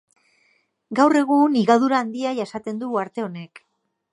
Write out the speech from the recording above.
Gaur egun higadura handia jasaten du uharte honek.